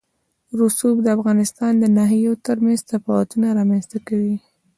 رسوب د افغانستان د ناحیو ترمنځ تفاوتونه رامنځ ته کوي.